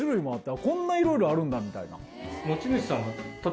こんないろいろあるんだみたいな。